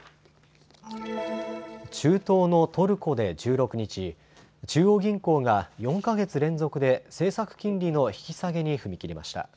中東のトルコで１６日、中央銀行が４か月連続で政策金利の引き下げに踏み切りました。